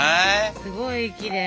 すごいきれい。